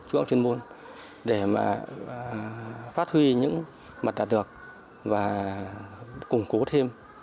chỗ chuyên môn để mà phát huy những mặt đạt được và củng cố thêm